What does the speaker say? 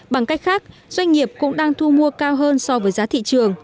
bằng cách khác doanh nghiệp cũng đang thu mua cao hơn so với giá thị trường